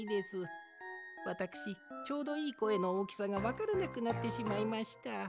わたくしちょうどいいこえのおおきさがわからなくなってしまいました。